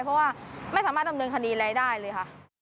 เพราะว่าไม่สามารถดำเนินคดีอะไรได้เลยค่ะ